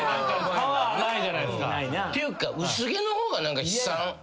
っていうか「薄毛」の方が何か悲惨。